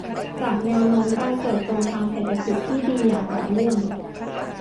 จากแนวโน้มการเติบโตทางเศรษฐกิจที่ดีอย่างต่อเนื่อง